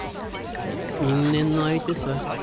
因縁の相手さ。